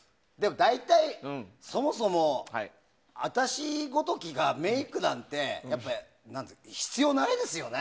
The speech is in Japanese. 大体、そもそも私ごときがメイクなんて必要ないですよね。